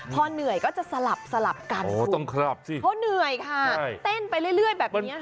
พอเหนื่อยก็จะสลับสลับกันเพราะเหนื่อยค่ะเต้นไปเรื่อยแบบนี้ค่ะ